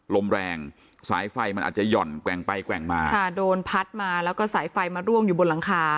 ลมแรงสายไฟมันอาจจะหย่อนแกว่งไปแกว่งมาค่ะโดนพัดมาแล้วก็สายไฟมาร่วงอยู่บนหลังคา